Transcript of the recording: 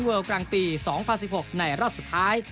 เวิร์ลกรางปี๒๐๑๖ในรอดสุดท้าย